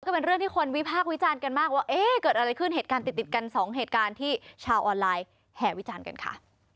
ก็เป็นเรื่องที่คนวิพากษ์วิจารณ์กันมากว่าเอ๊ะเกิดอะไรขึ้นเหตุการณ์ติดติดกันสองเหตุการณ์ที่ชาวออนไลน์แห่วิจารณ์กันค่ะ